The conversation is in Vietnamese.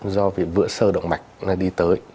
do việc vữa sơ động mạch nó đi tới